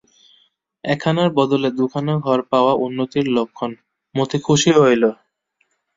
একখানার বদলে দুখানা ঘর পাওয়া উন্নতির লক্ষণ, মতি খুশি হইল।